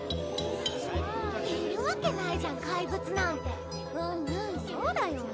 いるわけないじゃん怪物なんてうんうんそうだよ